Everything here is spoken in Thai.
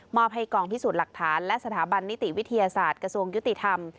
อบให้กองพิสูจน์หลักฐานและสถาบันนิติวิทยาศาสตร์กระทรวงยุติธรรม